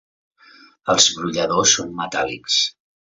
Els brolladors són metàl·lics.